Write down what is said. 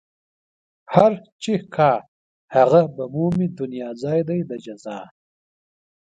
هر چې کا هغه به مومي دنيا ځای دئ د جزا